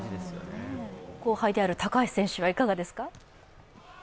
後輩である高橋選手はいかがですか。